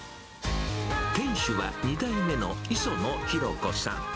店主は２代目の磯野浩子さん。